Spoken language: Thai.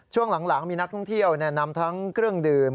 ช่วงหลังมีนักท่องเที่ยวนำทั้งเครื่องดื่ม